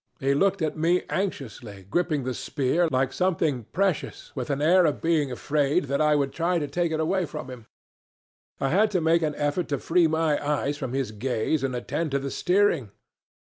He looked at me anxiously, gripping the spear like something precious, with an air of being afraid I would try to take it away from him. I had to make an effort to free my eyes from his gaze and attend to the steering.